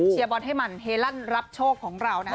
เชียร์บอลเทมันเฮลั่นรับโชคของเรานะครับ